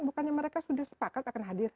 bukannya mereka sudah sepakat akan hadir